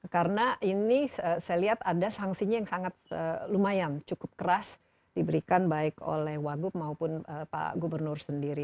karena ini saya lihat ada sanksinya yang sangat lumayan cukup keras diberikan baik oleh wagub maupun pak gubernur sendiri